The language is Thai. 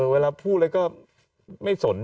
เวลาพูดอะไรก็ไม่สน